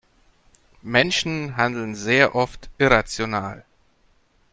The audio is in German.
Menschen handeln sehr oft irrational.